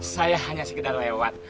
saya hanya segedar lewat